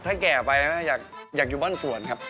ถ้าแก่ไปอยากอยู่บ้านสวนครับ